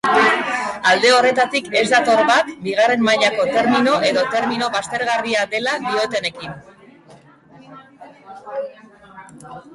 Alde horretatik ez dator bat bigarren mailako termino edo termino baztergarria dela diotenekin.